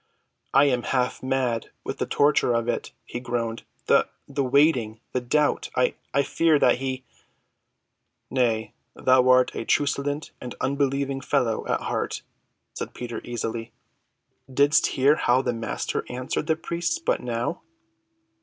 "I am half mad with the torture of it," he groaned, "the—the waiting—the doubt; I—I fear that he—" "Nay, thou art a truculent and unbelieving fellow at heart," said Peter easily. "Didst hear how the Master answered the priests but now?